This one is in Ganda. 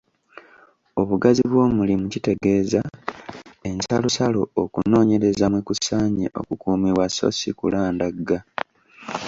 Obugazi bw’omulimu kitegeeza ensalosalo okunoonyereza mwe kusaanye okukuumibwa so si kulandagga.